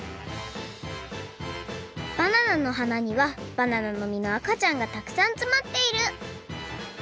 バナナのはなにはバナナのみのあかちゃんがたくさんつまっている！